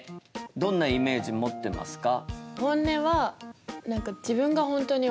どんなイメージ持ってますか？